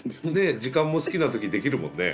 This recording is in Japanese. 時間も好きな時できるもんね。